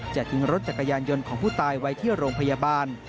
ทิ้งรถจักรยานยนต์ของผู้ตายไว้ที่โรงพยาบาล